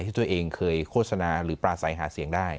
ที่ตัวเองเคยโฆษณาหรือปลาใสหาเสียงได้